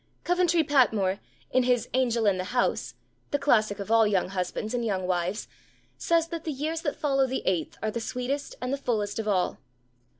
Coventry Patmore, in his Angel in the House the classic of all young husbands and young wives says that the years that follow the eighth are the sweetest and the fullest of all.